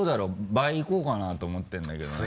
倍いこうかなと思ってるんだけどね。